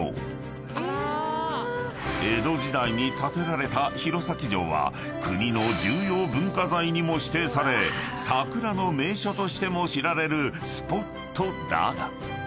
［江戸時代に建てられた弘前城は国の重要文化財にも指定され桜の名所としても知られるスポットだが］